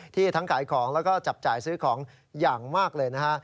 ที่ทั้งขายของแล้วก็จับจ่ายซื้อของอย่างมากเลยนะฮะ